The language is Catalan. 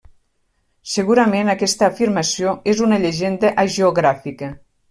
Segurament aquesta afirmació és una llegenda hagiogràfica.